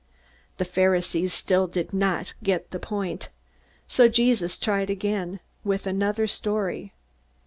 The Pharisees still did not get the point. So Jesus tried again with another story.